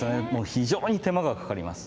非常に手間がかかります。